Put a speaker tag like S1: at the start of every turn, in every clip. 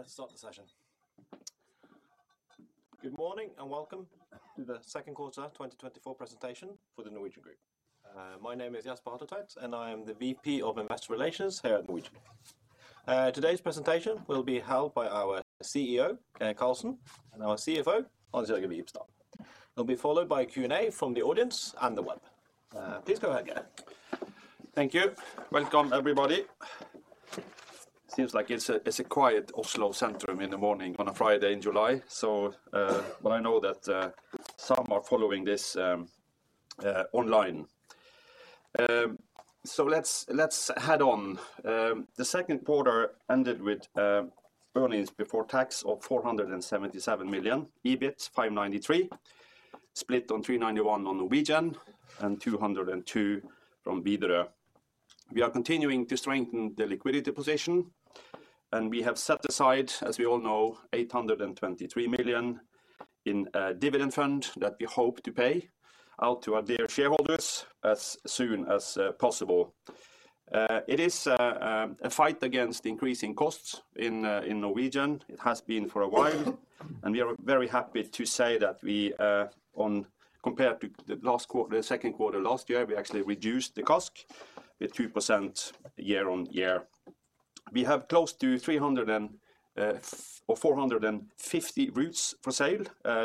S1: Okay, let's start the session. Good morning, and welcome to the second quarter 2024 presentation for the Norwegian Group. My name is Jesper Hatletveit, and I am the VP of Investor Relations here at Norwegian. Today's presentation will be held by our CEO, Geir Karlsen, and our CFO, Hans-Jørgen Wibstad. It'll be followed by a Q&A from the audience and the web. Please go ahead, Geir.
S2: Thank you. Welcome, everybody. Seems like it's a quiet Oslo sentrum in the morning on a Friday in July, so, but I know that some are following this online. So let's head on. The second quarter ended with earnings before tax of 477 million, EBIT 593 million, split on 391 million on Norwegian and 202 million from Widerøe. We are continuing to strengthen the liquidity position, and we have set aside, as we all know, 823 million in a dividend fund that we hope to pay out to our dear shareholders as soon as possible. It is a fight against increasing costs in Norwegian. It has been for a while, and we are very happy to say that we on... Compared to the last quarter, the second quarter last year, we actually reduced the CASK with 2% year-on-year. We have close to 300 or 450 routes for sale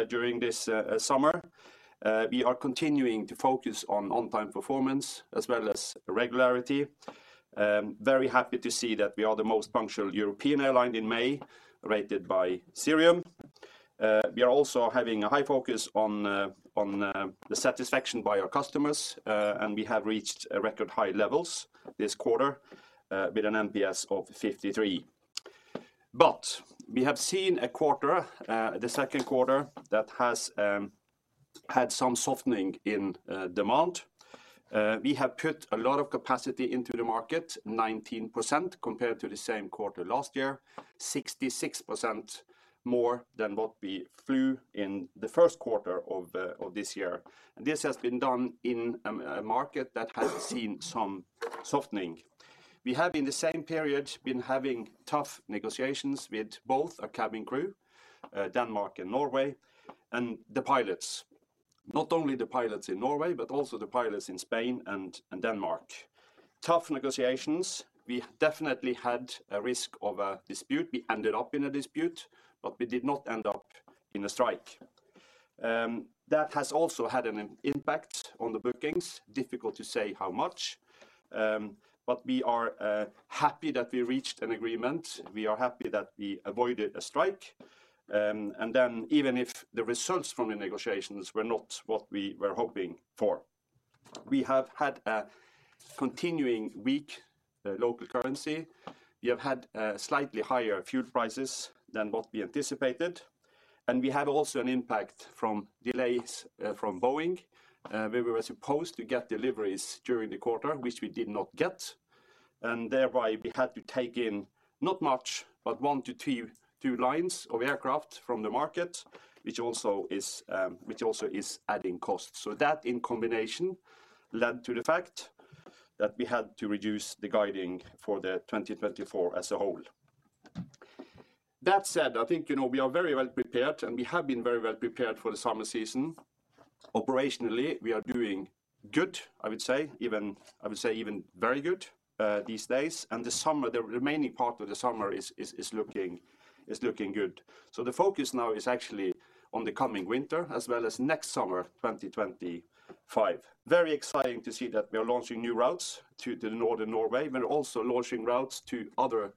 S2: during this summer. We are continuing to focus on on-time performance as well as regularity. Very happy to see that we are the most punctual European airline in May, rated by Cirium. We are also having a high focus on the satisfaction by our customers, and we have reached a record high levels this quarter with an NPS of 53. But we have seen a quarter, the second quarter, that has had some softening in demand. We have put a lot of capacity into the market, 19% compared to the same quarter last year, 66% more than what we flew in the first quarter of this year, and this has been done in a market that has seen some softening. We have, in the same period, been having tough negotiations with both our cabin crew, Denmark and Norway, and the pilots, not only the pilots in Norway but also the pilots in Spain and Denmark. Tough negotiations, we definitely had a risk of a dispute. We ended up in a dispute, but we did not end up in a strike. That has also had an impact on the bookings. Difficult to say how much, but we are happy that we reached an agreement. We are happy that we avoided a strike, and then even if the results from the negotiations were not what we were hoping for. We have had a continuing weak local currency. We have had slightly higher fuel prices than what we anticipated, and we had also an impact from delays from Boeing. We were supposed to get deliveries during the quarter, which we did not get, and thereby we had to take in not much, but one to two, two lines of aircraft from the market, which also is adding cost. So that, in combination, led to the fact that we had to reduce the guiding for the 2024 as a whole. That said, I think, you know, we are very well prepared, and we have been very well prepared for the summer season. Operationally, we are doing good, I would say, even, I would say even very good, these days, and the summer, the remaining part of the summer is looking good. So the focus now is actually on the coming winter as well as next summer, 2025. Very exciting to see that we are launching new routes to the Northern Norway, but also launching routes to other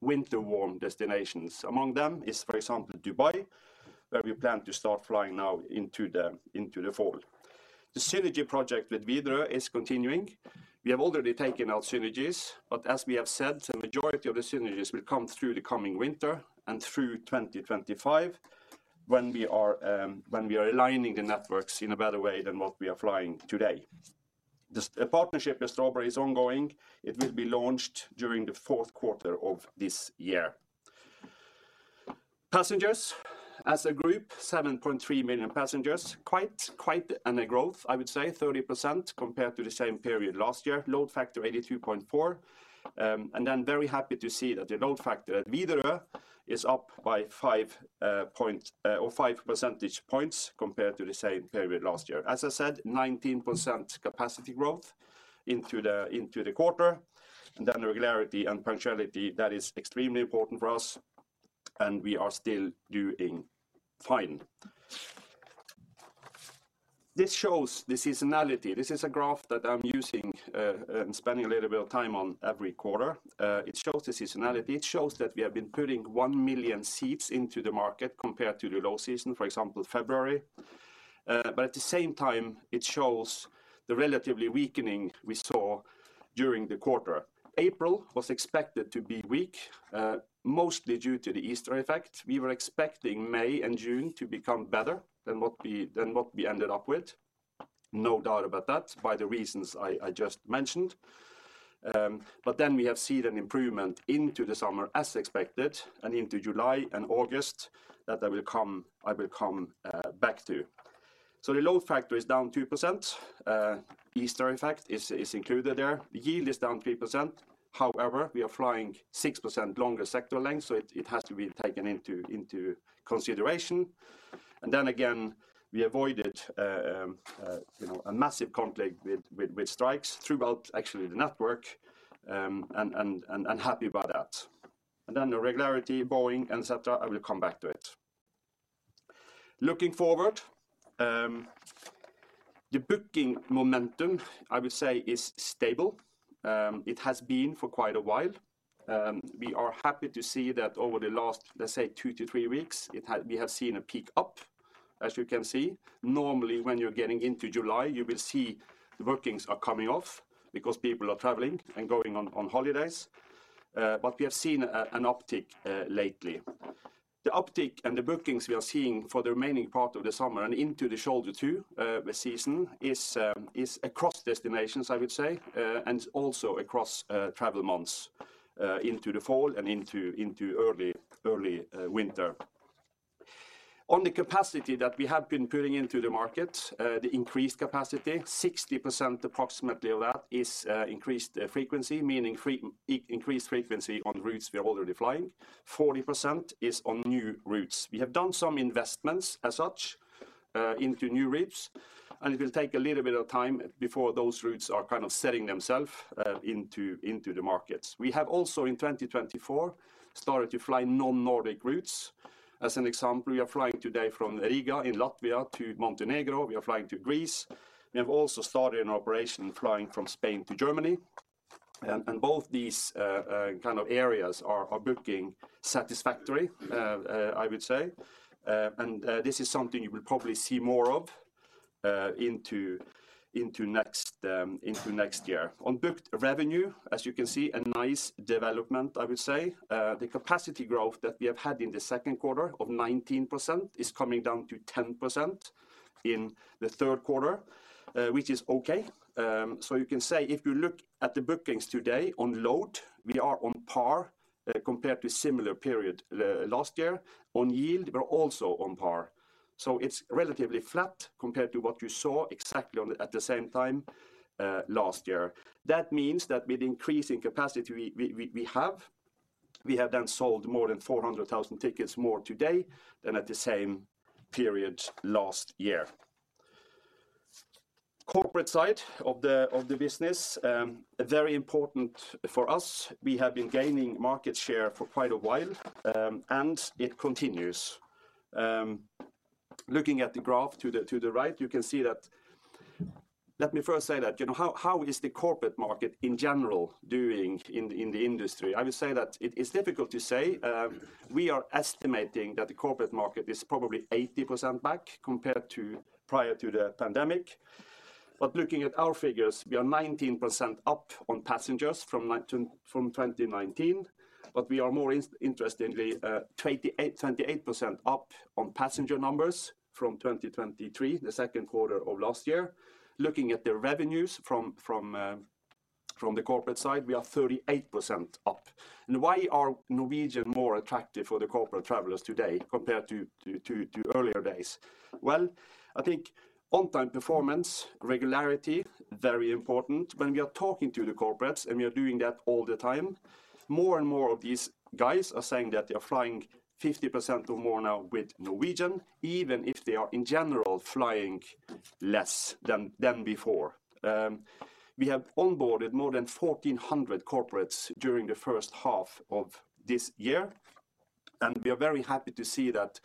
S2: winter warm destinations. Among them is, for example, Dubai, where we plan to start flying now into the fall. The synergy project with Widerøe is continuing. We have already taken our synergies, but as we have said, the majority of the synergies will come through the coming winter and through 2025, when we are aligning the networks in a better way than what we are flying today. The partnership with Strawberry is ongoing. It will be launched during the fourth quarter of this year. Passengers, as a group, 7.3 million passengers. Quite a growth, I would say, 30% compared to the same period last year. Load factor, 82.4%, and then very happy to see that the load factor at Widerøe is up by five point or five percentage points compared to the same period last year. As I said, 19% capacity growth into the quarter, and then regularity and punctuality, that is extremely important for us, and we are still doing fine. This shows the seasonality. This is a graph that I'm using, spending a little bit of time on every quarter. It shows the seasonality. It shows that we have been putting one million seats into the market compared to the low season, for example, February. But at the same time, it shows the relatively weakening we saw during the quarter. April was expected to be weak, mostly due to the Easter effect. We were expecting May and June to become better than what we ended up with, no doubt about that, by the reasons I just mentioned. But then we have seen an improvement into the summer, as expected, and into July and August, that I will come back to. So the load factor is down 2%. Easter effect is included there. The yield is down 3%. However, we are flying 6% longer sector length, so it has to be taken into consideration. And then again, we avoided, you know, a massive conflict with strikes throughout actually the network, and happy about that. And then the regularity, Boeing, et cetera, I will come back to it. Looking forward, the booking momentum, I would say, is stable. It has been for quite a while. We are happy to see that over the last, let's say, two to three weeks, we have seen a peak up, as you can see. Normally, when you're getting into July, you will see the bookings are coming off because people are traveling and going on holidays. But we have seen an uptick lately. The uptick and the bookings we are seeing for the remaining part of the summer and into the Shoulder 2 season is across destinations, I would say, and also across travel months into the fall and into early winter. On the capacity that we have been putting into the market, the increased capacity, approximately 60% of that is increased frequency, meaning increased frequency on routes we are already flying. 40% is on new routes. We have done some investments as such into new routes, and it will take a little bit of time before those routes are kind of setting themselves into the markets. We have also, in 2024, started to fly non-Nordic routes. As an example, we are flying today from Riga in Latvia to Montenegro. We are flying to Greece. We have also started an operation flying from Spain to Germany. And both these kind of areas are booking satisfactory, I would say. And this is something you will probably see more of into next year. On booked revenue, as you can see, a nice development, I would say. The capacity growth that we have had in the second quarter of 19% is coming down to 10% in the third quarter, which is okay. So you can say if you look at the bookings today on load, we are on par compared to similar period last year. On yield, we're also on par, so it's relatively flat compared to what you saw exactly at the same time last year. That means that with increasing capacity, we have then sold more than 400,000 tickets more today than at the same period last year. Corporate side of the business, very important for us. We have been gaining market share for quite a while, and it continues. Looking at the graph to the right, you can see that... Let me first say that, you know, how is the corporate market in general doing in the industry? I would say that it is difficult to say. We are estimating that the corporate market is probably 80% back compared to prior to the pandemic. But looking at our figures, we are 19% up on passengers from 2019, but we are more interestingly 28% up on passenger numbers from 2023, the second quarter of last year. Looking at the revenues from the corporate side, we are 38% up. Why are Norwegian more attractive for the corporate travelers today compared to earlier days? Well, I think on-time performance, regularity, very important. When we are talking to the corporates, and we are doing that all the time, more and more of these guys are saying that they are flying 50% or more now with Norwegian, even if they are, in general, flying less than before. We have onboarded more than 1,400 corporates during the first half of this year, and we are very happy to see that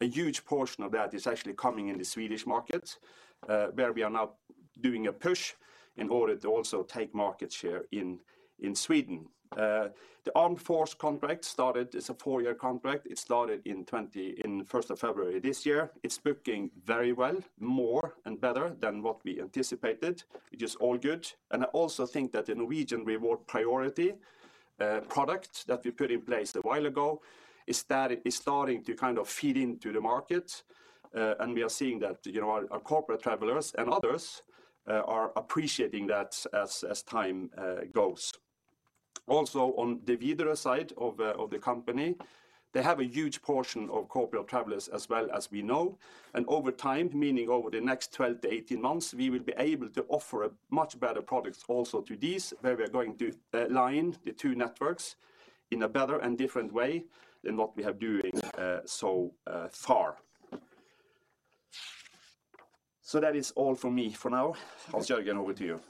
S2: a huge portion of that is actually coming in the Swedish market, where we are now doing a push in order to also take market share in Sweden. The Norwegian Armed Forces contract started; it's a 4-year contract. It started in first of February this year. It's booking very well, more and better than what we anticipated, which is all good. And I also think that the Norwegian Reward priority product that we put in place a while ago is starting to kind of feed into the market, and we are seeing that, you know, our corporate travelers and others are appreciating that as time goes. Also, on the Widerøe side of the, of the company, they have a huge portion of corporate travelers as well as we know, and over time, meaning over the next 12-18 months, we will be able to offer a much better product also to these, where we are going to align the two networks in a better and different way than what we have doing, so far. So that is all for me for now. Hans-Jørgen, over to you.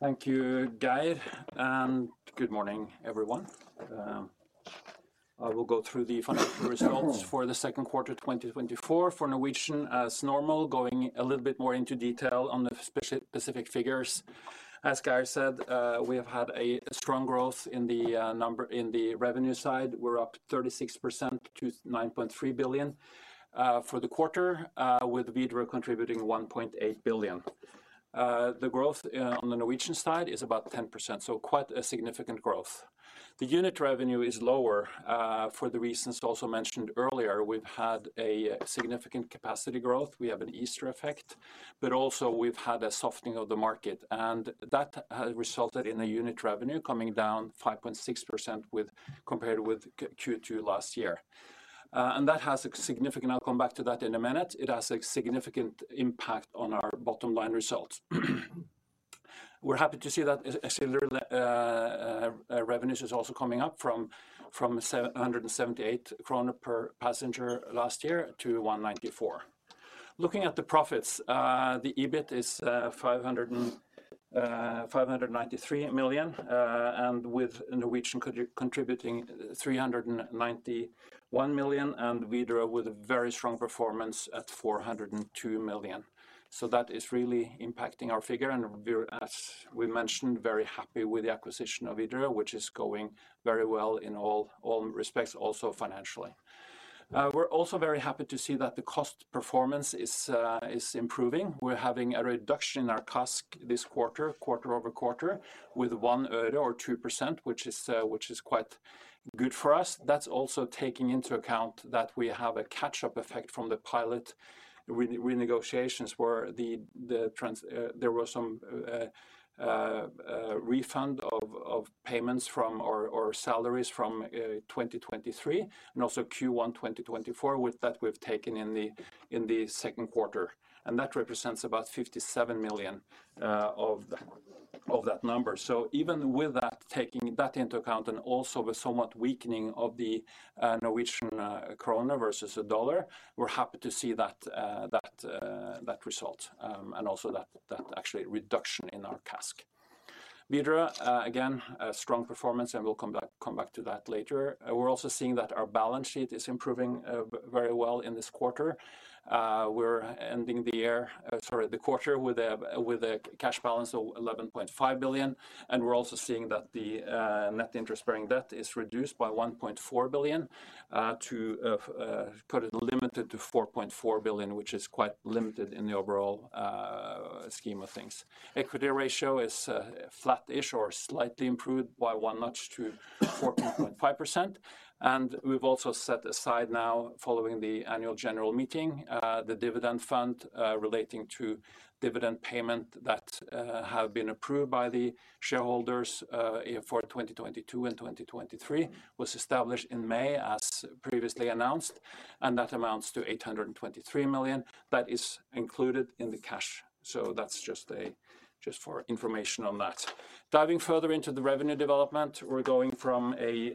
S3: Thank you, Geir, and good morning, everyone. I will go through the financial results for the second quarter of 2024 for Norwegian as normal, going a little bit more into detail on the specific figures. As Geir said, we have had a strong growth in the revenue side. We're up 36% to 9.3 billion for the quarter, with Widerøe contributing 1.8 billion. The growth on the Norwegian side is about 10%, so quite a significant growth. The unit revenue is lower for the reasons also mentioned earlier. We've had a significant capacity growth. We have an Easter effect, but also we've had a softening of the market, and that has resulted in a unit revenue coming down 5.6% compared with Q2 last year. And that has a significant. I'll come back to that in a minute. It has a significant impact on our bottom-line results. We're happy to see that ancillary revenues is also coming up from 778 krone per passenger last year to 194. Looking at the profits, the EBIT is 593 million, and with Norwegian contributing 391 million, and Widerøe with a very strong performance at 402 million. So that is really impacting our figure, and we're, as we mentioned, very happy with the acquisition of Widerøe, which is going very well in all respects, also financially. We're also very happy to see that the cost performance is improving. We're having a reduction in our CASK this quarter, quarter-over-quarter, with 1%-2%, which is quite good for us. That's also taking into account that we have a catch-up effect from the pilot renegotiations, where there were some refund of payments from... or salaries from 2023, and also Q1 2024, with that we've taken in the second quarter. And that represents about 57 million of that number. So even with that, taking that into account, and also the somewhat weakening of the Norwegian krone versus the dollar, we're happy to see that result, and also that actual reduction in our CASK. Widerøe, again, a strong performance, and we'll come back to that later. We're also seeing that our balance sheet is improving very well in this quarter. We're ending the quarter with a cash balance of 11.5 billion, and we're also seeing that the net interest-bearing debt is reduced by 1.4 billion to put it limited to 4.4 billion, which is quite limited in the overall scheme of things. Equity ratio is flattish or slightly improved by one notch to 4.5%. And we've also set aside now, following the annual general meeting, the dividend fund relating to dividend payment that have been approved by the shareholders for 2022 and 2023, was established in May, as previously announced, and that amounts to 823 million. That is included in the cash, so that's just for information on that. Diving further into the revenue development, we're going from a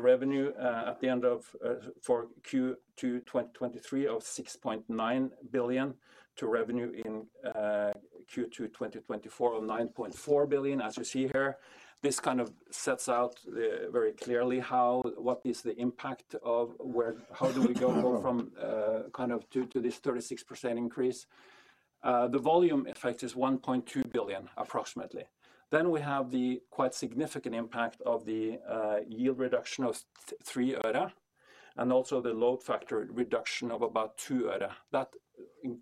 S3: revenue at the end of for Q2 2023 of 6.9 billion, to revenue in Q2 2024 of 9.4 billion, as you see here. This kind of sets out very clearly how... What is the impact of where how do we go from kind of due to this 36% increase? The volume effect is 1.2 billion, approximately. Then we have the quite significant impact of the yield reduction of three øre, and also the load factor reduction of about two øre. That,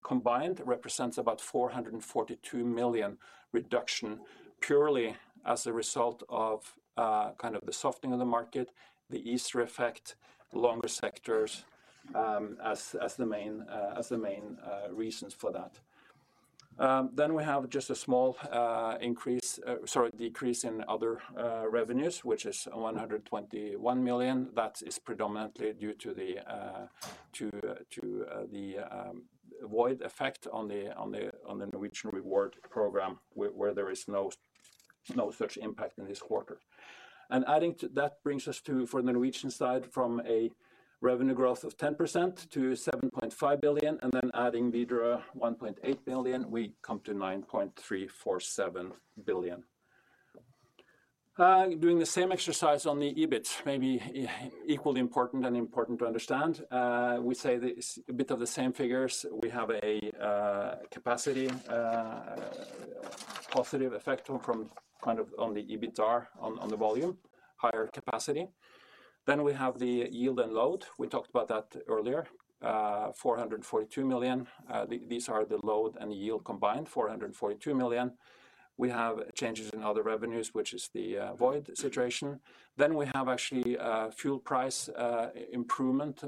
S3: combined, represents about 442 million reduction, purely as a result of kind of the softening of the market, the Easter effect, longer sectors, as the main reasons for that. Then we have just a small increase, sorry, decrease in other revenues, which is 121 million. That is predominantly due to the void effect on the Norwegian Reward program, where there is no such impact in this quarter. And adding to that brings us to, for the Norwegian side, from a revenue growth of 10% to 7.5 billion, and then adding Widerøe, 1.8 billion, we come to 9.347 billion. Doing the same exercise on the EBIT, maybe equally important and important to understand. We say a bit of the same figures. We have a capacity positive effect from kind of on the EBIT are on, on the volume, higher capacity. Then we have the yield and load. We talked about that earlier, 442 million. These are the load and yield combined, 442 million. We have changes in other revenues, which is the void situation. Then we have actually fuel price improvement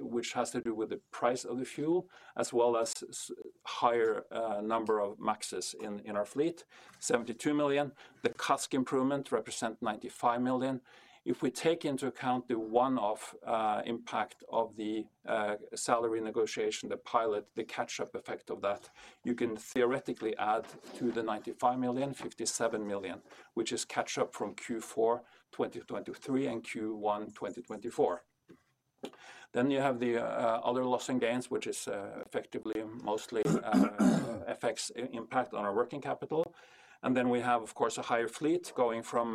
S3: which has to do with the price of the fuel, as well as higher number of MAXs in our fleet, 72 million. The CASK improvement represent 95 million. If we take into account the one-off impact of the salary negotiation, the pilot, the catch-up effect of that, you can theoretically add to the 95 million, 57 million, which is catch-up from Q4 2023 and Q1 2024. Then you have the other loss and gains, which is effectively mostly effects impact on our working capital. And then we have, of course, a higher fleet, going from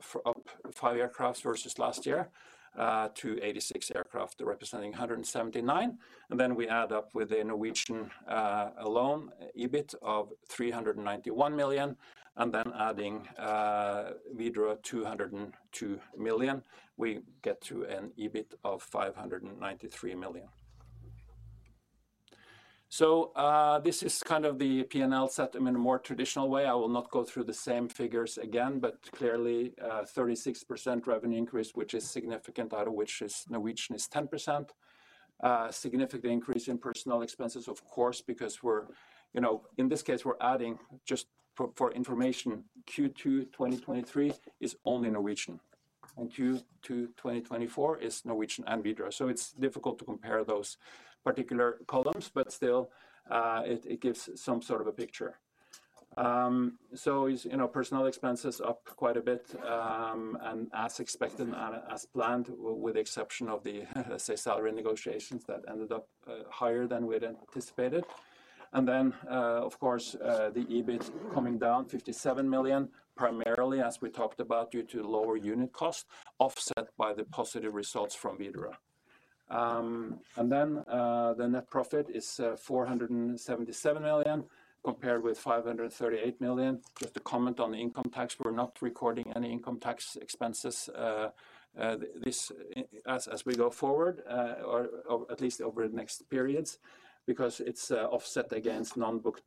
S3: 55 aircraft versus last year to 86 aircraft, representing 179. And then we add up with the Norwegian alone EBIT of 391 million, and then adding Widerøe 202 million, we get to an EBIT of 593 million. So this is kind of the P&L set in a more traditional way. I will not go through the same figures again, but clearly, 36% revenue increase, which is significant, out of which is Norwegian is 10%. Significant increase in personnel expenses, of course, because we're. You know, in this case, we're adding, just for information, Q2 2023 is only Norwegian, and Q2 2024 is Norwegian and Widerøe. So it's difficult to compare those particular columns, but still, it gives some sort of a picture. So, you know, personnel expenses up quite a bit, and as expected and as planned, with the exception of the, say, salary negotiations that ended up higher than we had anticipated. And then, of course, the EBIT coming down 57 million, primarily, as we talked about, due to lower unit costs, offset by the positive results from Widerøe. And then, the net profit is 477 million, compared with 538 million. Just to comment on the income tax, we're not recording any income tax expenses as we go forward, or at least over the next periods, because it's offset against non-booked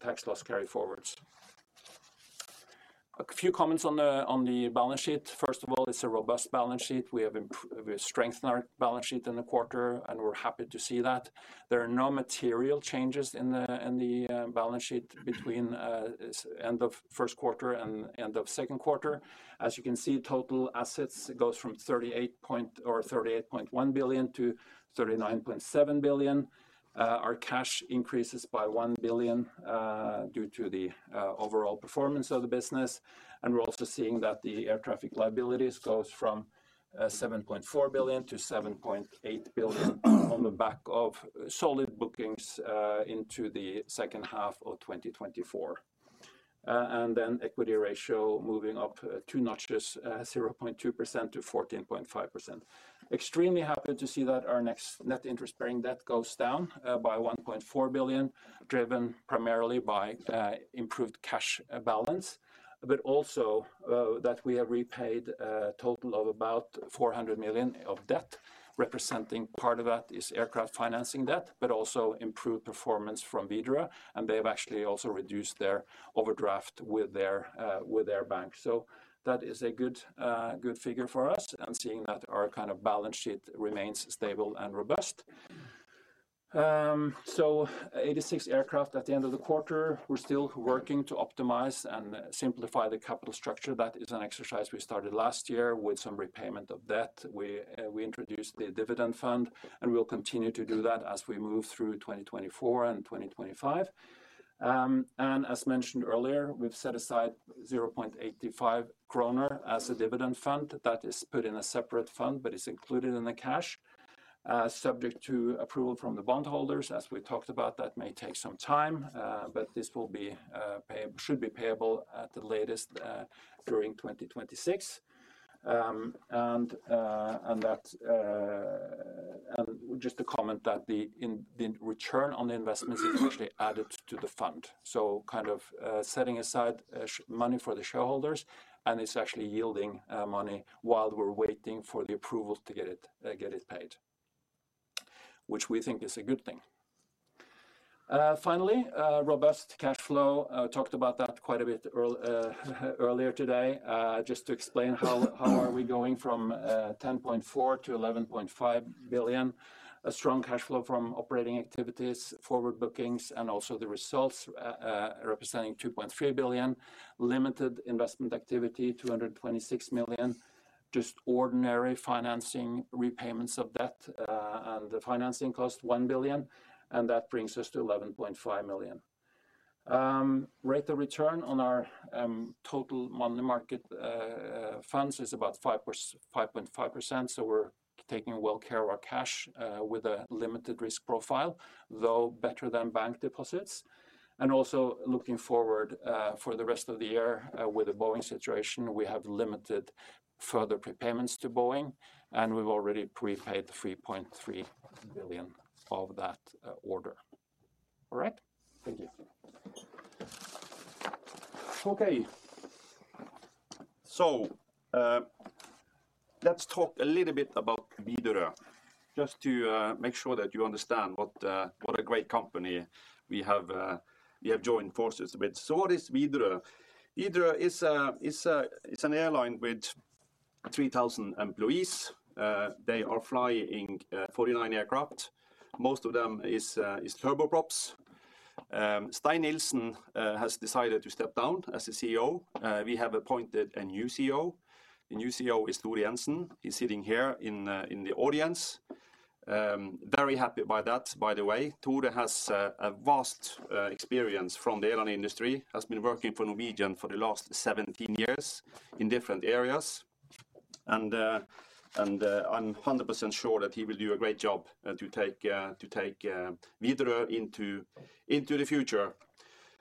S3: tax loss carry-forwards. A few comments on the balance sheet. First of all, it's a robust balance sheet. We've strengthened our balance sheet in the quarter, and we're happy to see that. There are no material changes in the balance sheet between end of first quarter and end of second quarter. As you can see, total assets goes from 38.1 billion to 39.7 billion. Our cash increases by 1 billion due to the overall performance of the business. We're also seeing that the air traffic liabilities goes from 7.4 billion to 7.8 billion on the back of solid bookings into the second half of 2024. Then equity ratio moving up two notches, 0.2% to 14.5%. Extremely happy to see that our next net interest-bearing debt goes down by 1.4 billion, driven primarily by improved cash balance. But also that we have repaid a total of about 400 million of debt, representing part of that is aircraft financing debt, but also improved performance from Widerøe, and they've actually also reduced their overdraft with their bank. So that is a good, good figure for us, and seeing that our kind of balance sheet remains stable and robust. 86 aircraft at the end of the quarter. We're still working to optimize and simplify the capital structure. That is an exercise we started last year with some repayment of debt. We introduced the dividend fund, and we'll continue to do that as we move through 2024 and 2025. As mentioned earlier, we've set aside 0.85 kroner as a dividend fund. That is put in a separate fund, but it's included in the cash, subject to approval from the bondholders. As we talked about, that may take some time, but this will be, should be payable at the latest, during 2026. And that... And just to comment that the return on the investments is actually added to the fund. So kind of, setting aside money for the shareholders, and it's actually yielding, money while we're waiting for the approval to get it, get it paid, which we think is a good thing. Finally, robust cash flow. I talked about that quite a bit earlier today. Just to explain how, how are we going from 10.4 to 11.5 billion? A strong cash flow from operating activities, forward bookings, and also the results, representing 2.3 billion. Limited investment activity, 226 million. Just ordinary financing, repayments of debt, and the financing cost, 1 billion, and that brings us to 11.5 million. Rate of return on our total money market funds is about 5.5%, so we're taking well care of our cash with a limited risk profile, though better than bank deposits. Also looking forward for the rest of the year with the Boeing situation, we have limited further prepayments to Boeing, and we've already prepaid 3.3 billion of that order. All right? Thank you.
S2: Okay. So, let's talk a little bit about Widerøe, just to make sure that you understand what a great company we have joined forces with. So what is Widerøe? Widerøe is an airline with 3,000 employees. They are flying 49 aircraft. Most of them is turboprops. Stein Nilsen has decided to step down as the CEO. We have appointed a new CEO. The new CEO is Tore Jenssen. He's sitting here in the audience. Very happy by that, by the way. Tore has a vast experience from the airline industry, has been working for Norwegian for the last 17 years in different areas. And I'm 100% sure that he will do a great job to take Widerøe into the future.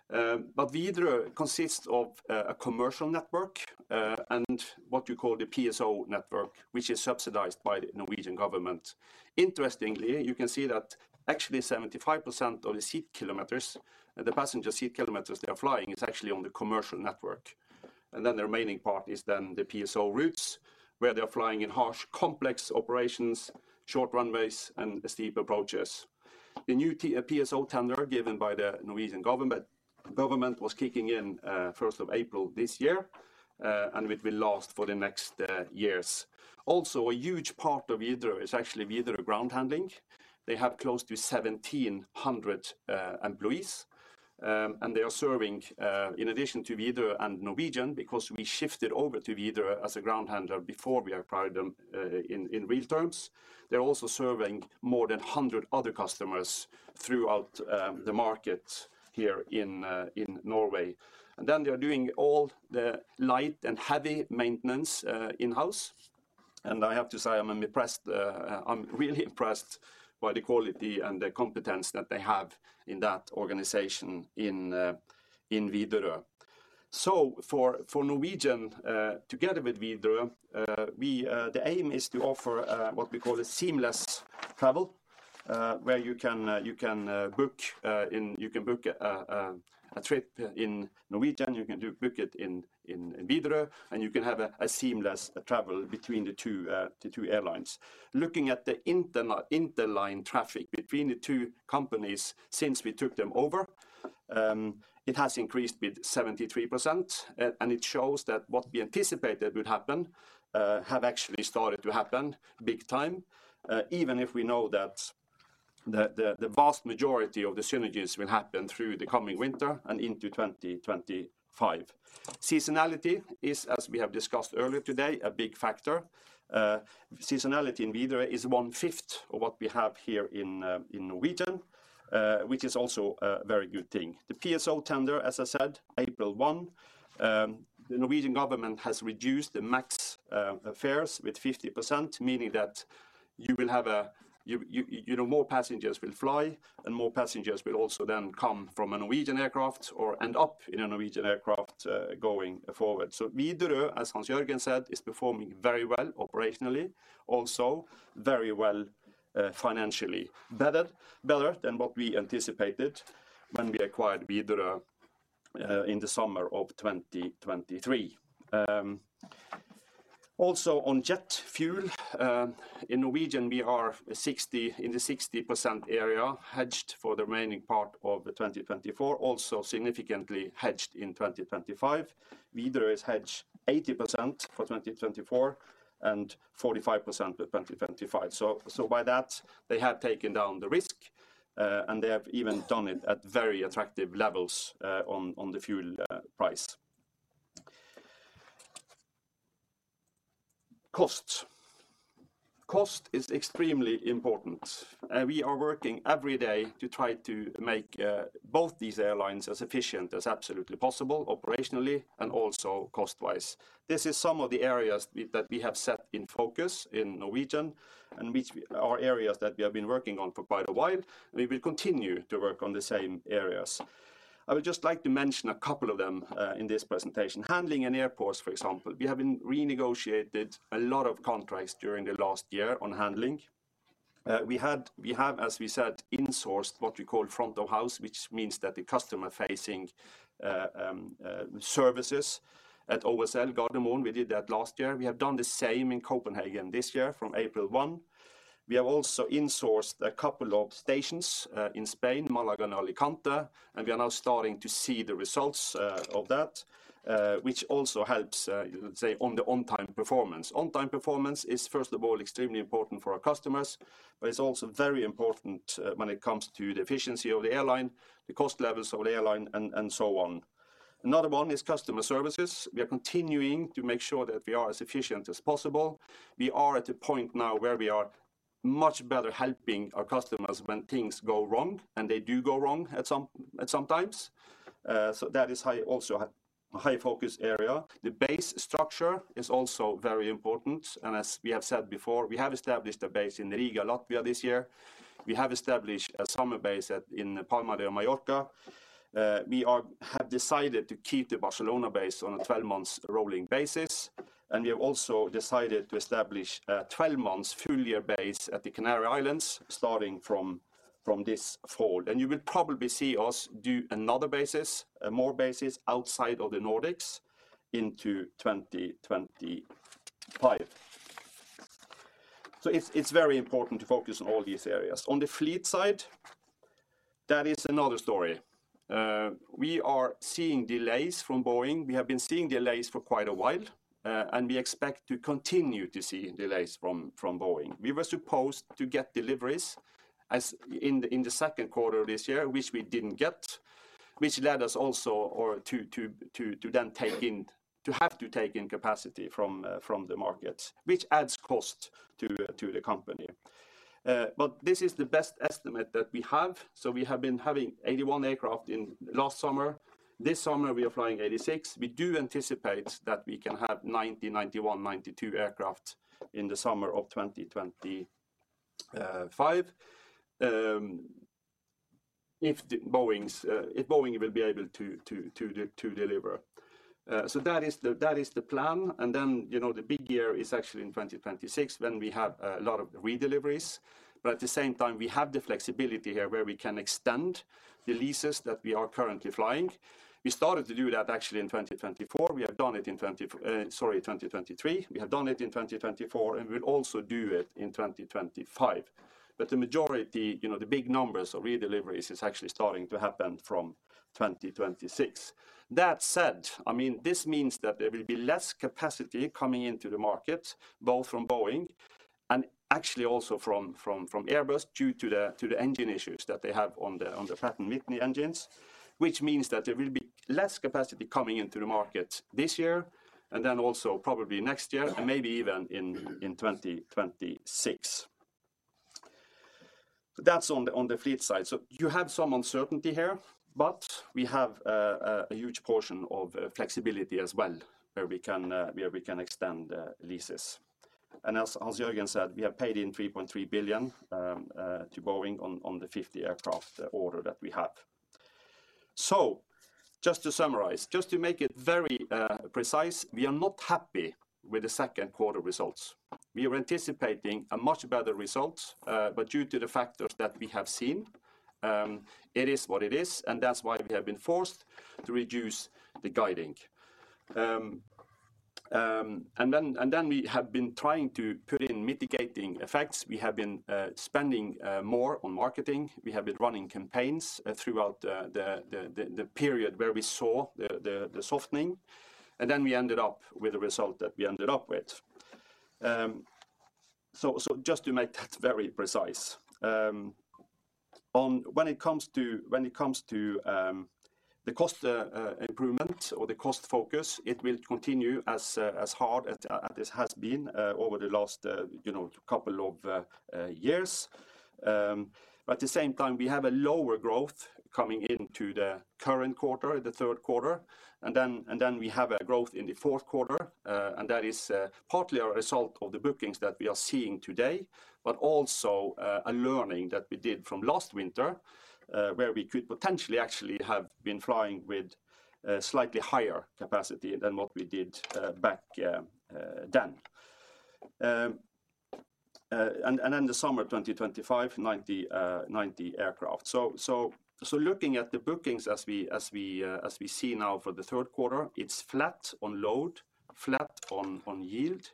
S2: But Widerøe consists of a commercial network and what you call the PSO network, which is subsidized by the Norwegian government. Interestingly, you can see that actually 75% of the seat kilometers, the passenger seat kilometers they are flying, is actually on the commercial network. Then the remaining part is the PSO routes, where they are flying in harsh, complex operations, short runways, and steep approaches. The new PSO tender given by the Norwegian government, government was kicking in first of April this year, and it will last for the next years. Also, a huge part of Widerøe is actually Widerøe Ground Handling. They have close to 1,700 employees. ... and they are serving, in addition to Widerøe and Norwegian, because we shifted over to Widerøe as a ground handler before we acquired them, in real terms. They're also serving more than 100 other customers throughout the market here in Norway. And then they are doing all the light and heavy maintenance, in-house. And I have to say, I'm impressed, I'm really impressed by the quality and the competence that they have in that organization in Widerøe. So for Norwegian, together with Widerøe, the aim is to offer what we call a seamless travel, where you can book a trip in Norwegian, you can book it in Widerøe, and you can have a seamless travel between the two airlines. Looking at the interline traffic between the two companies since we took them over, it has increased with 73%. And it shows that what we anticipated would happen have actually started to happen big time. Even if we know that the vast majority of the synergies will happen through the coming winter and into 2025. Seasonality is, as we have discussed earlier today, a big factor. Seasonality in Widerøe is one-fifth of what we have here in, in Norwegian, which is also a very good thing. The PSO tender, as I said, April 1, the Norwegian government has reduced the max fares with 50%, meaning that you know more passengers will fly, and more passengers will also then come from a Norwegian aircraft or end up in a Norwegian aircraft, going forward. So Widerøe, as Hans-Jørgen said, is performing very well operationally, also very well, financially. Better, better than what we anticipated when we acquired Widerøe, in the summer of 2023. Also on jet fuel, in Norwegian, we are in the 60% area, hedged for the remaining part of the 2024, also significantly hedged in 2025. Widerøe is hedged 80% for 2024, and 45% for 2025. So, so by that, they have taken down the risk, and they have even done it at very attractive levels, on, on the fuel, price. Costs. Cost is extremely important, and we are working every day to try to make, both these airlines as efficient as absolutely possible, operationally and also cost-wise. This is some of the areas we, that we have set in focus in Norwegian, and which we... Are areas that we have been working on for quite a while, and we will continue to work on the same areas. I would just like to mention a couple of them, in this presentation. Handling and airports, for example. We have been renegotiated a lot of contracts during the last year on handling. We have, as we said, insourced what we call front of house, which means that the customer-facing services at OSL, Gardermoen; we did that last year. We have done the same in Copenhagen this year from April 1. We have also insourced a couple of stations in Spain, Malaga and Alicante, and we are now starting to see the results of that, which also helps, let's say, on the on-time performance. On-time performance is, first of all, extremely important for our customers, but it's also very important when it comes to the efficiency of the airline, the cost levels of the airline, and so on. Another one is customer services. We are continuing to make sure that we are as efficient as possible. We are at a point now where we are much better helping our customers when things go wrong, and they do go wrong at some times. So that is high, also a high focus area. The base structure is also very important, and as we have said before, we have established a base in Riga, Latvia this year. We have established a summer base in Palma de Mallorca. We have decided to keep the Barcelona base on a 12-month rolling basis, and we have also decided to establish a 12-month full-year base at the Canary Islands, starting from this fall. You will probably see us do another bases, more bases outside of the Nordics into 2025. So it's very important to focus on all these areas. On the fleet side, that is another story. We are seeing delays from Boeing. We have been seeing delays for quite a while, and we expect to continue to see delays from Boeing. We were supposed to get deliveries in the second quarter of this year, which we didn't get, which led us also to have to take in capacity from the market, which adds cost to the company. But this is the best estimate that we have. So we have been having 81 aircraft in last summer. This summer, we are flying 86. We do anticipate that we can have 90, 91, 92 aircraft in the summer of 2025. If Boeing will be able to deliver. So that is the plan. Then, you know, the big year is actually in 2026, when we have a lot of redeliveries. But at the same time, we have the flexibility here where we can extend the leases that we are currently flying. We started to do that actually in 2024. We have done it in 2023. We have done it in 2024, and we'll also do it in 2025. But the majority, you know, the big numbers of redeliveries is actually starting to happen from 2026. That said, I mean, this means that there will be less capacity coming into the market, both from Boeing and actually also from Airbus, due to the engine issues that they have on the Pratt & Whitney engines, which means that there will be less capacity coming into the market this year, and then also probably next year, and maybe even in 2026. So that's on the fleet side. So you have some uncertainty here, but we have a huge portion of flexibility as well, where we can extend leases. And as Hans-Jørgen said, we have paid in 3.3 billion to Boeing on the 50 aircraft order that we have. So just to summarize, just to make it very precise, we are not happy with the second quarter results. We were anticipating a much better result, but due to the factors that we have seen, it is what it is, and that's why we have been forced to reduce the guiding. And then we have been trying to put in mitigating effects. We have been spending more on marketing. We have been running campaigns throughout the period where we saw the softening, and then we ended up with a result that we ended up with. So, just to make that very precise, on when it comes to, when it comes to, the cost improvement or the cost focus, it will continue as hard as it has been over the last, you know, couple of years. At the same time, we have a lower growth coming into the current quarter, the third quarter, and then we have a growth in the fourth quarter, and that is partly a result of the bookings that we are seeing today, but also a learning that we did from last winter, where we could potentially actually have been flying with slightly higher capacity than what we did back then. And in the summer of 2025, 90 aircraft. So looking at the bookings as we see now for the third quarter, it's flat on load, flat on yield.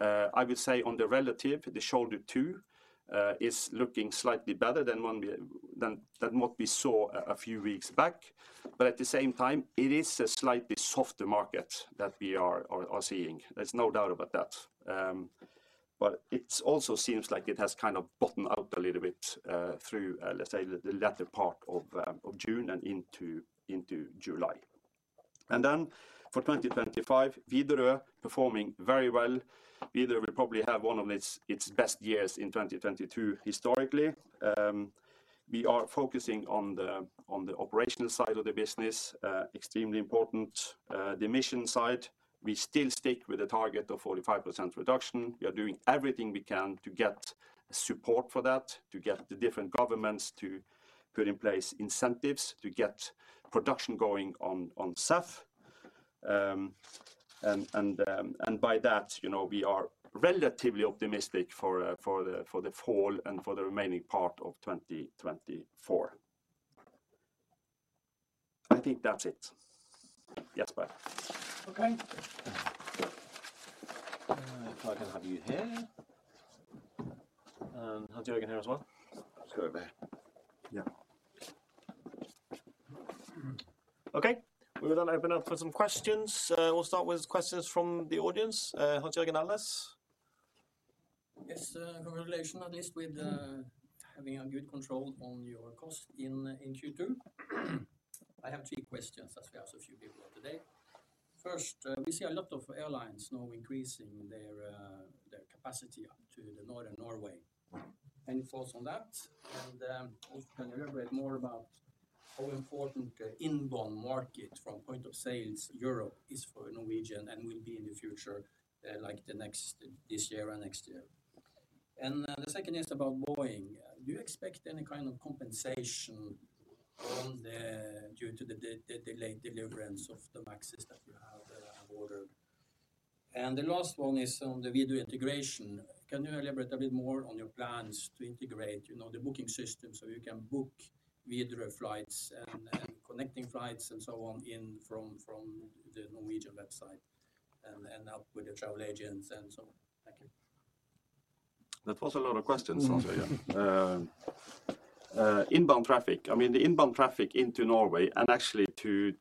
S2: I would say on the relative, the Shoulder 2 is looking slightly better than what we saw a few weeks back. But at the same time, it is a slightly softer market that we are seeing. There's no doubt about that. But it also seems like it has kind of bottomed out a little bit through, let's say, the latter part of June and into July. And then for 2025, Widerøe performing very well. Widerøe will probably have one of its best years in 2022 historically. We are focusing on the operational side of the business, extremely important. The mission side, we still stick with the target of 45% reduction. We are doing everything we can to get support for that, to get the different governments to put in place incentives, to get production going on SAF. By that, you know, we are relatively optimistic for the fall and for the remaining part of 2024. I think that's it. Yes, bye.
S1: Okay. If I can have you here, and Hans-Jørgen here as well.
S2: Let's go over there.
S3: Yeah.
S1: Okay. We will then open up for some questions. We'll start with questions from the audience. Hans Jørgen Elnæs?
S4: Yes, congratulations, at least with having a good control on your cost in Q2. I have three questions, as we have so few people today. First, we see a lot of airlines now increasing their capacity up to northern Norway. Any thoughts on that? And, also can you elaborate more about how important the inbound market from point of sales Europe is for Norwegian and will be in the future, like the next... This year and next year? And, the second is about Boeing. Do you expect any kind of compensation due to the delayed delivery of the MAXs that you have ordered? And the last one is on the Widerøe integration. Can you elaborate a bit more on your plans to integrate, you know, the booking system, so you can book Widerøe flights and connecting flights and so on from the Norwegian website, and help with the travel agents and so on? Thank you.
S2: That was a lot of questions, Hans Jørgen. Inbound traffic. I mean, the inbound traffic into Norway, and actually to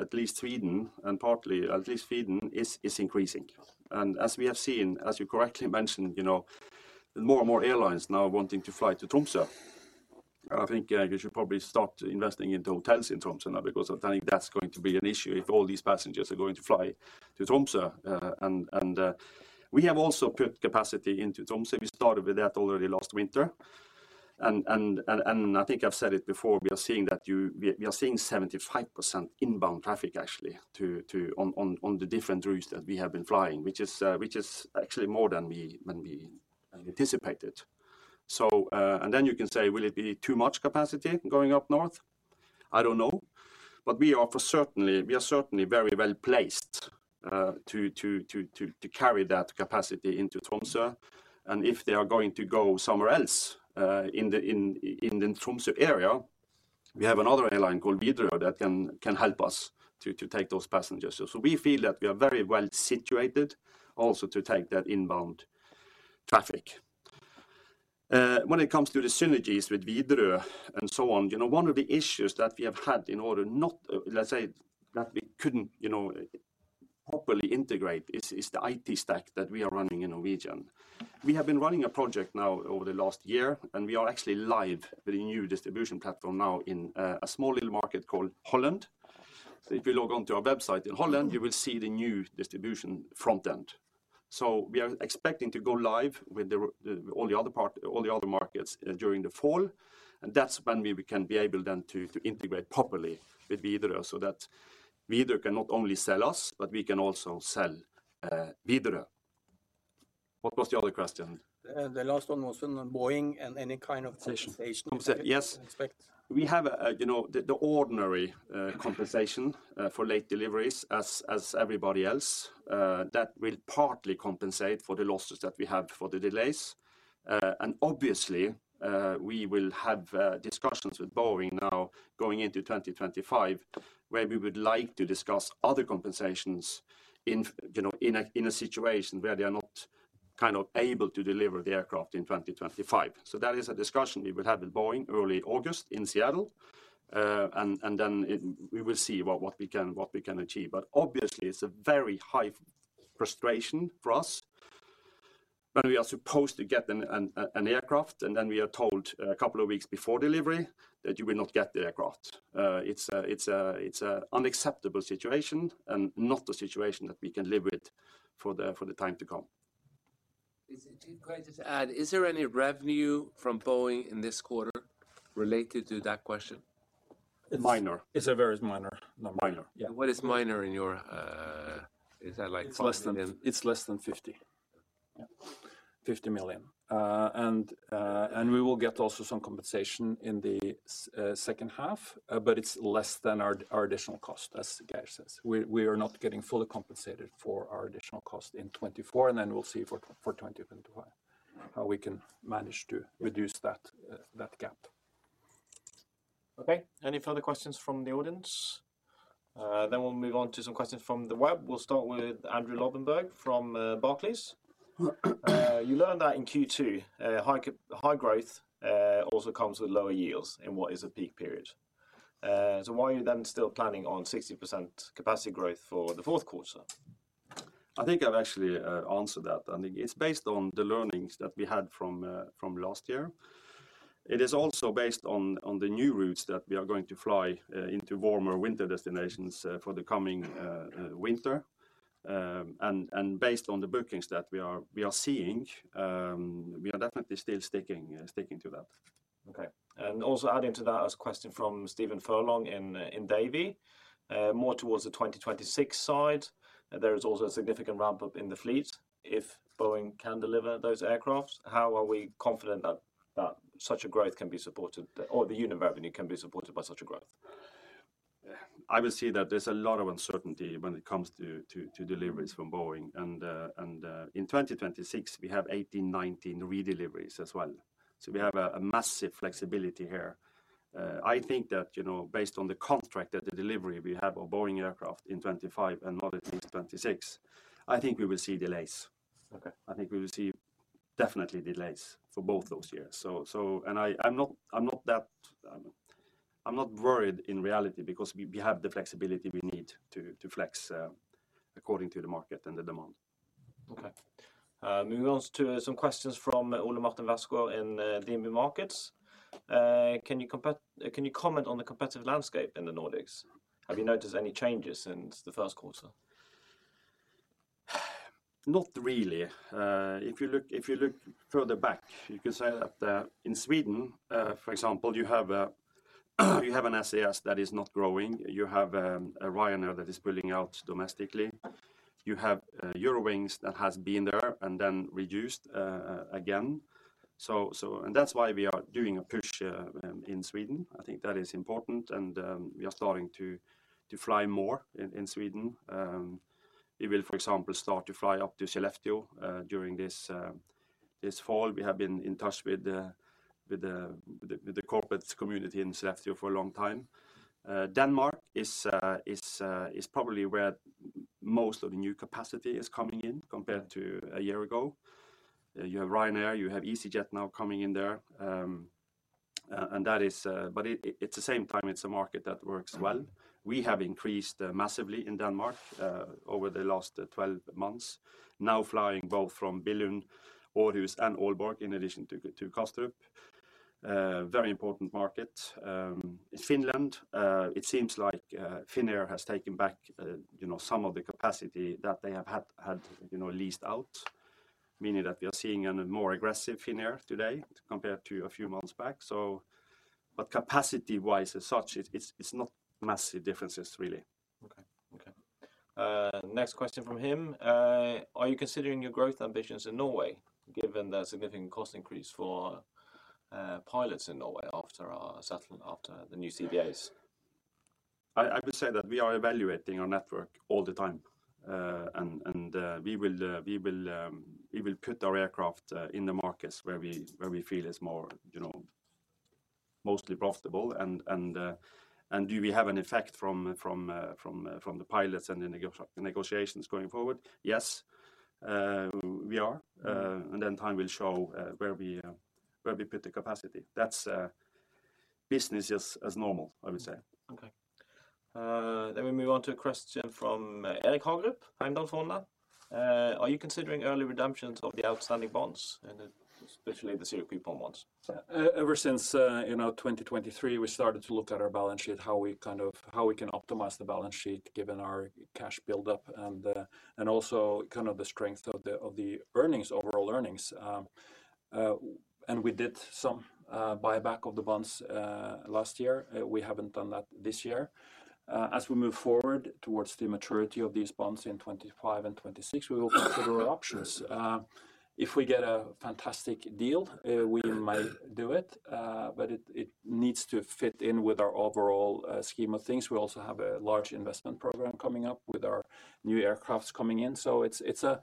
S2: at least Sweden, and partly at least Sweden, is increasing. And as we have seen, as you correctly mentioned, you know, more and more airlines now wanting to fly to Tromsø. And I think you should probably start investing into hotels in Tromsø now, because I think that's going to be an issue if all these passengers are going to fly to Tromsø. And we have also put capacity into Tromsø. We started with that already last winter. I think I've said it before, we are seeing that we are seeing 75% inbound traffic actually to, on, on, on the different routes that we have been flying, which is actually more than we anticipated. So, and then you can say: Will it be too much capacity going up north? I don't know. But we are for certainly, we are certainly very well placed to carry that capacity into Tromsø. And if they are going to go somewhere else, in the Tromsø area, we have another airline called Widerøe that can help us to take those passengers. So we feel that we are very well situated also to take that inbound traffic. When it comes to the synergies with Widerøe and so on, you know, one of the issues that we have had in order not, let's say, that we couldn't, you know, properly integrate is the IT stack that we are running in Norwegian. We have been running a project now over the last year, and we are actually live with a new distribution platform now in a small little market called Holland. So if you log on to our website in Holland, you will see the new distribution front end. So we are expecting to go live with the all the other part, all the other markets during the fall, and that's when we can be able then to integrate properly with Widerøe, so that Widerøe can not only sell us, but we can also sell Widerøe. What was the other question?
S4: The last one was on Boeing and any kind of compensation-
S2: Compensation. Yes
S4: You can expect?
S2: We have, you know, the, the ordinary, compensation, for late deliveries as, as everybody else. That will partly compensate for the losses that we have for the delays. And obviously, we will have, discussions with Boeing now going into 2025, where we would like to discuss other compensations in f- you know, in a, in a situation where they are not kind of able to deliver the aircraft in 2025. So that is a discussion we will have with Boeing early August in Seattle, and, and then it- we will see what, what we can, what we can achieve. But obviously, it's a very high frustration for us when we are supposed to get an, an, an aircraft, and then we are told a couple of weeks before delivery that you will not get the aircraft. It's an unacceptable situation and not a situation that we can live with for the time to come.
S4: Can I just add, is there any revenue from Boeing in this quarter related to that question?
S2: Minor.
S3: It's a very minor number.
S2: Minor, yeah.
S4: What is minor in your...? Is that, like, 5 million?
S3: It's less than, it's less than NOK 50--.
S2: Yeah.
S3: 50 million. And, and we will get also some compensation in the second half, but it's less than our, our additional cost, as Geir says. We, we are not getting fully compensated for our additional cost in 2024, and then we'll see for, for 2025, how we can manage to reduce that, that gap.
S1: Okay. Any further questions from the audience? Then we'll move on to some questions from the web. We'll start with Andrew Lobbenberg from Barclays. You learned that in Q2, high growth also comes with lower yields in what is a peak period. So why are you then still planning on 60% capacity growth for the fourth quarter?
S2: I think I've actually answered that, and it's based on the learnings that we had from last year. It is also based on the new routes that we are going to fly into warmer winter destinations for the coming winter. And based on the bookings that we are seeing, we are definitely still sticking to that.
S1: Okay. And also adding to that, there's a question from Stephen Furlong in Davy. More towards the 2026 side, there is also a significant ramp-up in the fleet. If Boeing can deliver those aircrafts, how are we confident that such a growth can be supported or the unit revenue can be supported by such a growth?
S2: I would say that there's a lot of uncertainty when it comes to deliveries from Boeing, and in 2026, we have 18-19 redeliveries as well. So we have a massive flexibility here. I think that, you know, based on the contract that the delivery we have of Boeing aircraft in 2025 and 2026, I think we will see delays.
S1: Okay.
S2: I think we will see definitely delays for both those years. I'm not worried in reality because we have the flexibility we need to flex according to the market and the demand.
S1: Okay. Moving on to some questions from Ole Martin Westgaard in DNB Markets. Can you comment on the competitive landscape in the Nordics? Have you noticed any changes since the first quarter?
S2: Not really. If you look further back, you can say that, in Sweden, for example, you have an SAS that is not growing. You have a Ryanair that is pulling out domestically. You have Eurowings that has been there and then reduced again. So, and that's why we are doing a push in Sweden. I think that is important, and we are starting to fly more in Sweden. We will, for example, start to fly up to Skellefteå during this fall. We have been in touch with the corporate community in Skellefteå for a long time. Denmark is probably where most of the new capacity is coming in compared to a year ago. You have Ryanair, you have EasyJet now coming in there, and that is... But it, at the same time, it's a market that works well. We have increased massively in Denmark, over the last 12 months, now flying both from Billund, Aarhus, and Aalborg, in addition to, to Kastrup. Very important market. In Finland, it seems like, Finnair has taken back, you know, some of the capacity that they have had, had, you know, leased out, meaning that we are seeing a more aggressive Finnair today compared to a few months back. So, but capacity-wise as such, it's, it's, it's not massive differences, really.
S1: Okay. Okay. Next question from him: Are you considering your growth ambitions in Norway, given the significant cost increase for pilots in Norway after the new CBAs?
S2: I would say that we are evaluating our network all the time, and we will put our aircraft in the markets where we feel is more, you know, mostly profitable. Do we have an effect from the pilots and the negotiations going forward? Yes, we are.
S1: Mm-hmm.
S2: And then time will show where we put the capacity. That's business as normal, I would say.
S1: Okay. Then we move on to a question from Eirik Haavaldsen. Are you considering early redemptions of the outstanding bonds in the-... especially the zero coupon bonds.
S3: So, ever since, you know, 2023, we started to look at our balance sheet, how we kind of- how we can optimize the balance sheet, given our cash buildup and, and also kind of the strength of the, of the earnings, overall earnings. And we did some buyback of the bonds last year. We haven't done that this year. As we move forward towards the maturity of these bonds in 25 and 26, we will consider our options. If we get a fantastic deal, we might do it. But it, it needs to fit in with our overall scheme of things. We also have a large investment program coming up with our new aircrafts coming in. So it's a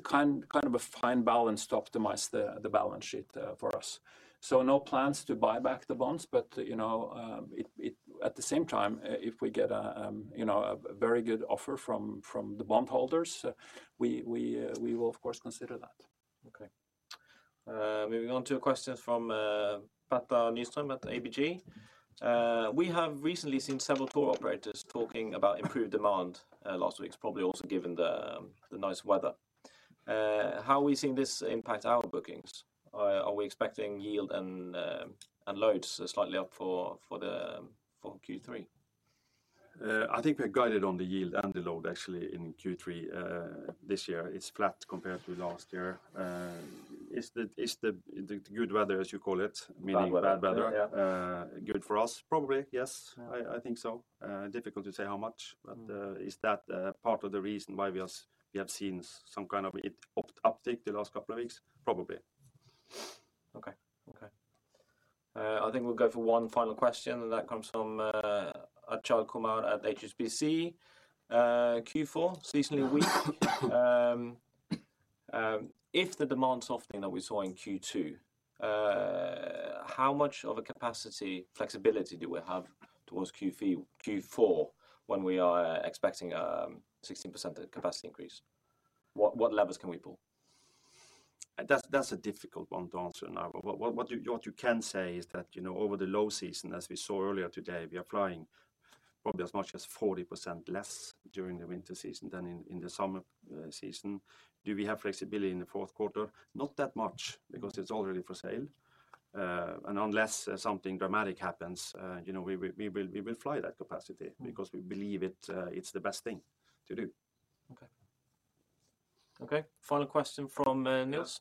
S3: kind of a fine balance to optimize the balance sheet for us. So no plans to buy back the bonds, but you know, at the same time, if we get a you know, a very good offer from the bondholders, we will of course consider that.
S1: Okay. Moving on to a question from Petter Nystrøm at ABG. We have recently seen several tour operators talking about improved demand last week. Probably also given the nice weather. How are we seeing this impact our bookings? Are we expecting yield and loads slightly up for Q3?
S2: I think we're guided on the yield and the load actually in Q3. This year is flat compared to last year. Is the good weather, as you call it, meaning-
S1: Bad weather, yeah....
S2: bad weather good for us? Probably, yes.
S1: Yeah.
S2: I think so. Difficult to say how much-
S1: Mm...
S2: but, is that part of the reason why we have, we have seen some kind of uptake the last couple of weeks? Probably.
S1: Okay. Okay. I think we'll go for one final question, and that comes from Achal Kumar at HSBC. Q4, seasonally weak. If the demand softening that we saw in Q2, how much of a capacity flexibility do we have towards Q3, Q4, when we are expecting 16% of capacity increase? What levers can we pull?
S2: That's a difficult one to answer now. But what you can say is that, you know, over the low season, as we saw earlier today, we are flying probably as much as 40% less during the winter season than in the summer season. Do we have flexibility in the fourth quarter? Not that much, because it's already for sale. And unless something dramatic happens, you know, we will fly that capacity-
S1: Mm...
S2: because we believe it, it's the best thing to do.
S1: Okay. Okay, final question from Nils.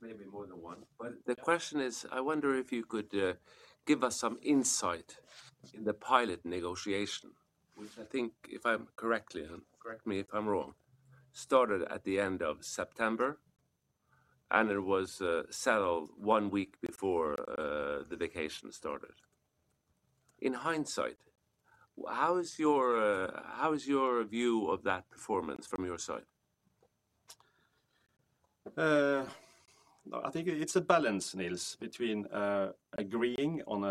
S5: Maybe more than one.
S1: Yeah.
S5: The question is, I wonder if you could give us some insight in the pilot negotiation, which I think if I'm correctly, and correct me if I'm wrong, started at the end of September, and it was settled one week before the vacation started. In hindsight, how is your view of that performance from your side?
S2: I think it's a balance, Nils, between agreeing on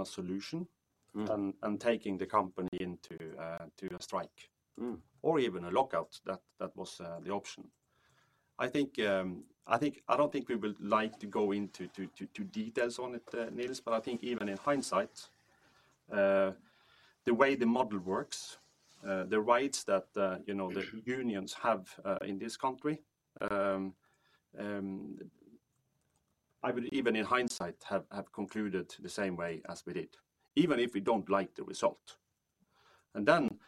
S2: a solution-
S5: Mm...
S2: and taking the company into a strike.
S4: Mm.
S2: Or even a lockout, that was the option. I think—I don't think we would like to go into details on it, Nils, but I think even in hindsight, the way the model works, the rights that, you know-
S5: Mm...
S2: the unions have in this country, I would even in hindsight have concluded the same way as we did, even if we don't like the result. And then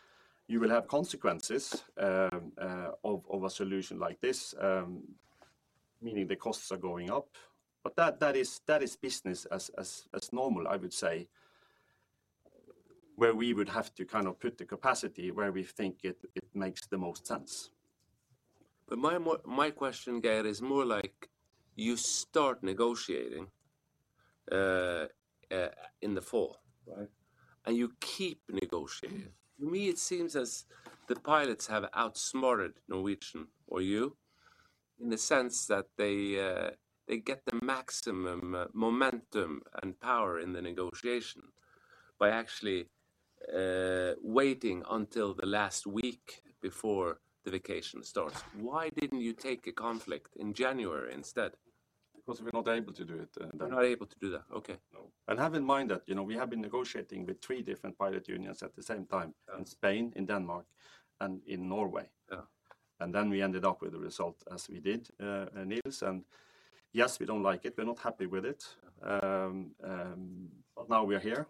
S2: you will have consequences of a solution like this, meaning the costs are going up. But that is business as normal, I would say. Where we would have to kind of put the capacity where we think it makes the most sense.
S5: But my question, Geir, is more like you start negotiating in the fall.
S2: Right.
S5: And you keep negotiating.
S2: Mm.
S5: To me, it seems as the pilots have outsmarted Norwegian or you, in the sense that they get the maximum momentum and power in the negotiation by actually waiting until the last week before the vacation starts. Why didn't you take a conflict in January instead?
S2: Because we're not able to do it, Nils.
S5: You're not able to do that, okay.
S2: No. Have in mind that, you know, we have been negotiating with 3 different pilot unions at the same time-
S5: Yeah...
S2: in Spain, in Denmark, and in Norway.
S5: Yeah.
S2: Then we ended up with a result as we did, Nils. Yes, we don't like it. We're not happy with it. But now we are here.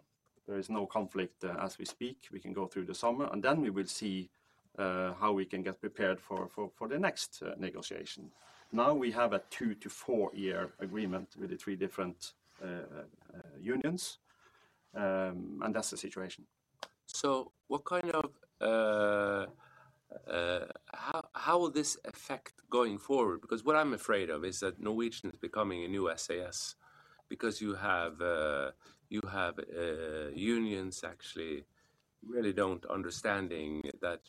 S2: There is no conflict, as we speak. We can go through the summer, and then we will see how we can get prepared for the next negotiation. Now, we have a 2-4-year agreement with the three different unions, and that's the situation.
S5: So what kind of... How will this affect going forward? Because what I'm afraid of is that Norwegian is becoming a new SAS, because you have unions actually really don't understanding that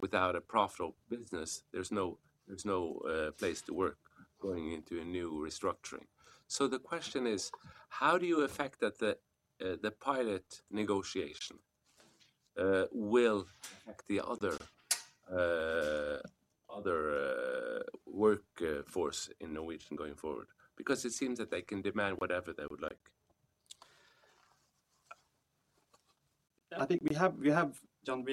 S5: without a profitable business, there's no place to work going into a new restructuring. So the question is, how do you affect that the pilot negotiation will affect the other workforce in Norwegian going forward? Because it seems that they can demand whatever they would like....
S2: Yeah, I think we have had, John.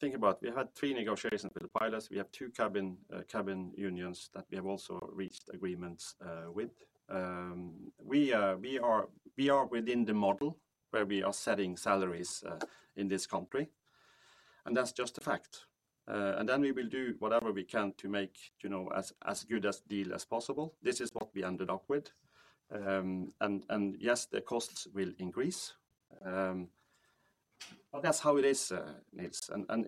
S2: Think about it, we had three negotiations with the pilots. We have two cabin unions that we have also reached agreements with. We are within the model where we are setting salaries in this country, and that's just a fact. And then we will do whatever we can to make, you know, as good a deal as possible. This is what we ended up with. And yes, the costs will increase. But that's how it is, Nils. And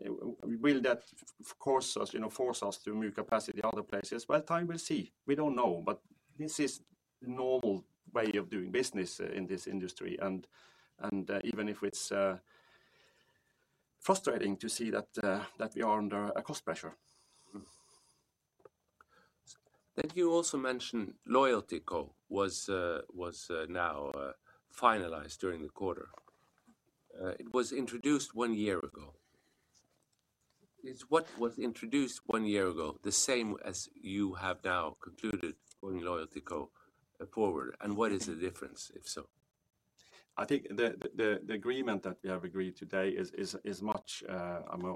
S2: will that of course force us, you know, to move capacity other places? Well, time will see. We don't know, but this is the normal way of doing business in this industry, and even if it's frustrating to see that we are under a cost pressure.
S5: Then you also mentioned LoyaltyCo was now finalized during the quarter. It was introduced one year ago. Is what was introduced one year ago the same as you have now concluded on LoyaltyCo forward? And what is the difference, if so?
S2: I think the agreement that we have agreed today is much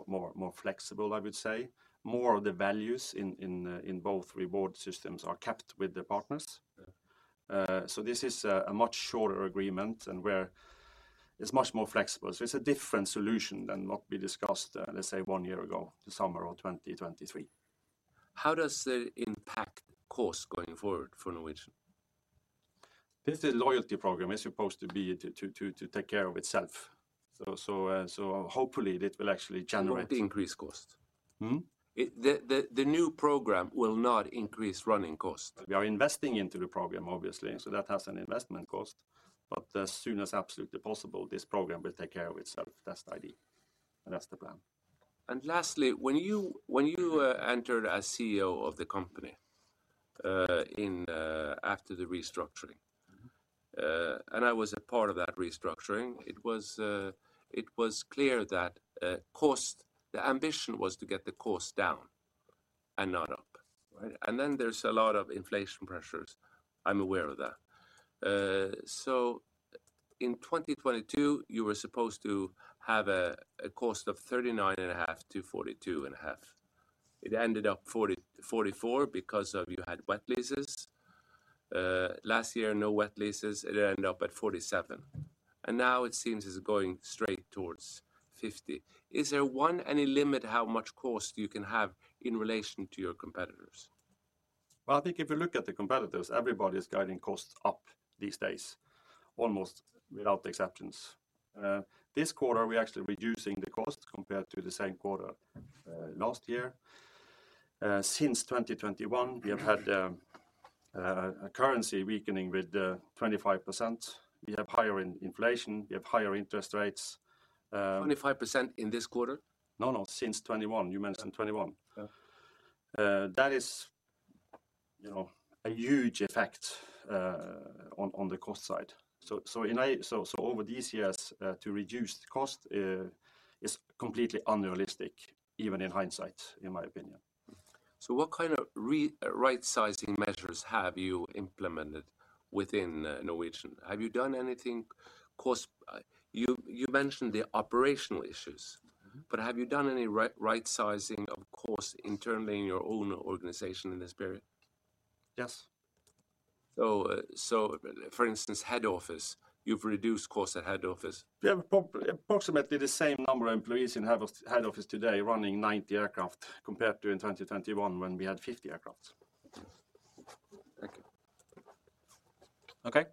S2: more flexible, I would say. More of the values in both reward systems are kept with the partners.
S5: Yeah.
S2: This is a much shorter agreement, and where it's much more flexible. It's a different solution than what we discussed, let's say, one year ago, the summer of 2023.
S5: How does it impact cost going forward for Norwegian?
S2: This is a loyalty program. It's supposed to be to take care of itself. So hopefully it will actually generate-
S5: It will not increase cost?
S2: Hmm?
S5: The new program will not increase running cost?
S2: We are investing into the program, obviously, so that has an investment cost. But as soon as absolutely possible, this program will take care of itself. That's the idea, and that's the plan.
S5: Lastly, when you entered as CEO of the company, in... after the restructuring-
S2: Mm-hmm...
S5: and I was a part of that restructuring, it was, it was clear that, cost, the ambition was to get the cost down and not up, right? And then there's a lot of inflation pressures. I'm aware of that. So in 2022, you were supposed to have a cost of 39.5-42.5. It ended up 44 because you had wet leases. Last year, no wet leases, it ended up at 47, and now it seems it's going straight towards 50. Is there any limit how much cost you can have in relation to your competitors?
S2: Well, I think if you look at the competitors, everybody is guiding costs up these days, almost without exceptions. This quarter, we're actually reducing the cost compared to the same quarter last year. Since 2021, we have had a currency weakening with 25%. We have higher inflation, we have higher interest rates.
S5: 25% in this quarter?
S2: No, no, since 2021. You mentioned 2021.
S5: Yeah.
S2: That is, you know, a huge effect on the cost side. So over these years to reduce the cost is completely unrealistic, even in hindsight, in my opinion.
S5: So what kind of right-sizing measures have you implemented within Norwegian? Have you done anything, you mentioned the operational issues.
S2: Mm-hmm.
S5: Have you done any right, right-sizing of cost internally in your own organization in this period?
S2: Yes.
S5: So, for instance, head office, you've reduced costs at head office?
S2: We have approximately the same number of employees in head office today running 90 aircraft, compared to in 2021, when we had 50 aircrafts.
S1: Thank you. Okay,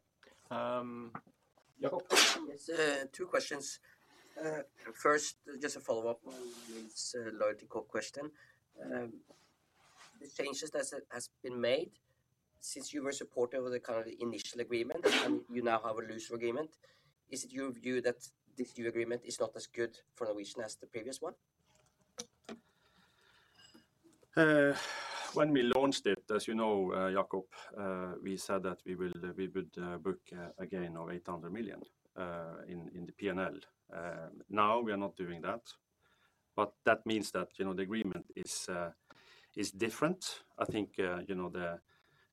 S1: Jacob?
S6: Yes, two questions. First, just a follow-up on this, LoyaltyCo question. The changes has been made, since you were supportive of the kind of initial agreement, and you now have a looser agreement, is it your view that this new agreement is not as good for Norwegian as the previous one?
S2: When we launched it, as you know, Jacob, we said that we will, we would, book a gain of 800 million in the P&L. Now we are not doing that, but that means that, you know, the agreement is different. I think, you know,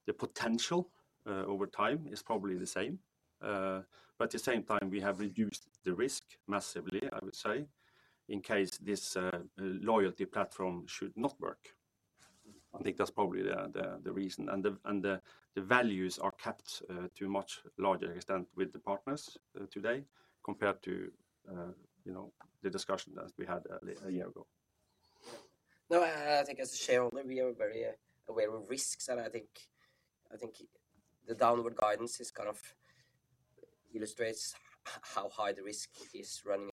S2: the potential over time is probably the same. But at the same time, we have reduced the risk massively, I would say, in case this loyalty platform should not work. I think that's probably the reason. And the values are kept to a much larger extent with the partners today, compared to, you know, the discussion that we had a year ago.
S6: Yeah. No, I think as a shareholder, we are very aware of risks, and I think the downward guidance is kind of... illustrates how high the risk is running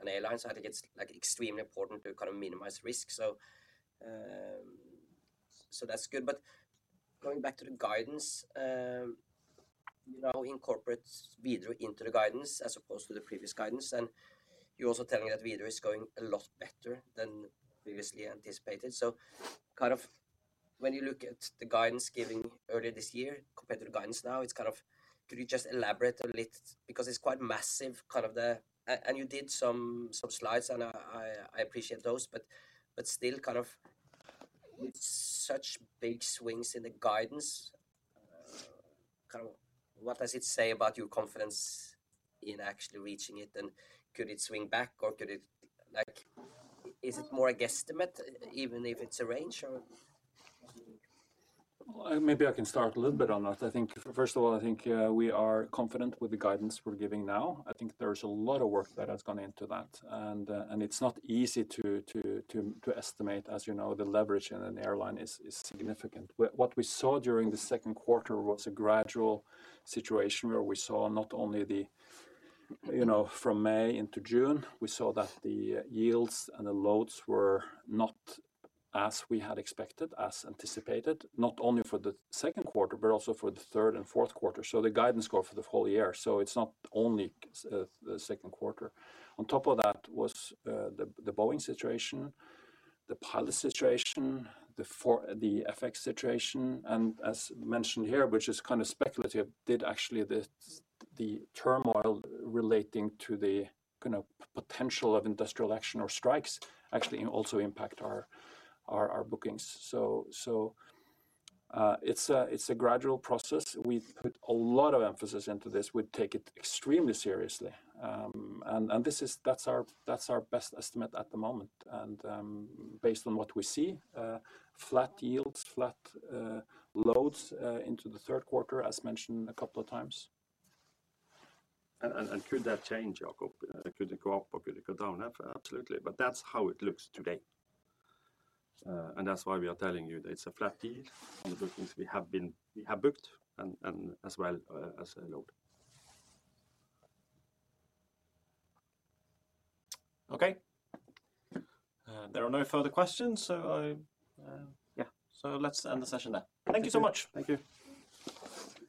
S6: an airline. So I think it's, like, extremely important to kind of minimize risk. So that's good. But going back to the guidance, you now incorporate Widerøe into the guidance as opposed to the previous guidance, and you're also telling me that Widerøe is going a lot better than previously anticipated. So kind of when you look at the guidance given earlier this year compared to the guidance now, it's kind of... Could you just elaborate a little? Because it's quite massive, kind of the... and you did some slides, and I appreciate those, but still, kind of, with such big swings in the guidance... Kind of what does it say about your confidence in actually reaching it? And could it swing back or could it, like, is it more a guesstimate, even if it's a range or?
S3: Well, maybe I can start a little bit on that. I think, first of all, I think, we are confident with the guidance we're giving now. I think there's a lot of work that has gone into that, and, and it's not easy to, to, to, to estimate. As you know, the leverage in an airline is, is significant. But what we saw during the second quarter was a gradual situation where we saw not only the, you know, from May into June, we saw that the yields and the loads were not as we had expected, as anticipated, not only for the second quarter, but also for the third and fourth quarter, so the guidance is for the whole year. So it's not only the second quarter. On top of that was the Boeing situation, the pilot situation, the FX situation, and as mentioned here, which is kind of speculative, did actually the turmoil relating to the kind of potential of industrial action or strikes actually also impact our bookings. It's a gradual process. We put a lot of emphasis into this. We take it extremely seriously. This is... That's our best estimate at the moment. Based on what we see, flat yields, flat loads into the third quarter, as mentioned a couple of times. Could that change, Jacob? Could it go up or could it go down? Absolutely, but that's how it looks today. And that's why we are telling you that it's a flat yield on the bookings we have booked and as well as a load.
S1: Okay. There are no further questions, so I... Yeah, so let's end the session there. Thank you so much.
S3: Thank you.